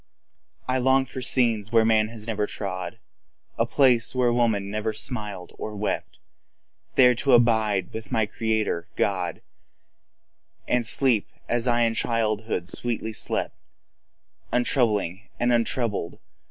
I long for scenes where man has never trod— For scenes where woman never smiled or wept— There to abide with my Creator, God, 15 And sleep as I in childhood sweetly slept, Full of high thoughts, unborn.